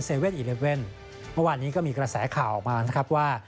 ๗๑๑เมื่อวานนี้ก็มีกระแสข่าวออกมานะครับว่า